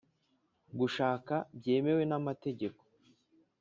gushaka byemewe n’amategeko;